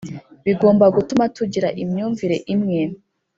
Bigomba gutuma tugira imyumvire imwe